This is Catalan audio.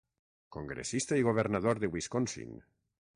Congressista i governador de Wisconsin.